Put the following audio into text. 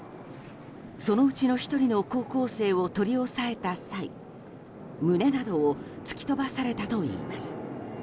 そのうちの１人の高校生を取り押さえた際胸などを突き飛ばされたといいます。